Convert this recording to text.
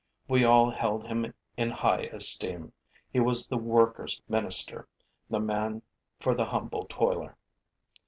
We all held him in high esteem. He was the workers' minister, the man for the humble toiler.